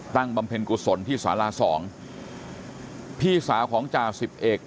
ตั้งบำเพ็ญกุศลที่ศาลาสองพี่สาวของจาสิบเอกย์